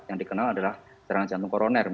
yang dikenal adalah serangan jantung koroner